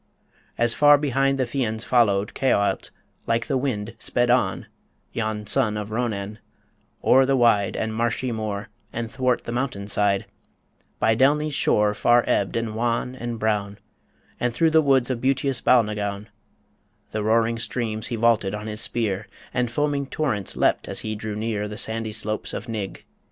As far behind The Fians followed, Caoilte, like the wind, Sped on yon son of Ronan o'er the wide And marshy moor, and 'thwart the mountain side, By Delny's shore far ebbed, and wan, and brown, And through the woods of beautous Balnagown: The roaring streams he vaulted on his spear, And foaming torrents leapt, as he drew near The sandy slopes of Nigg.